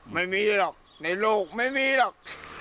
ไม่มีหรอกในโลกไม่มีหรอก